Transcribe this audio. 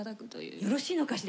よろしいのかしら？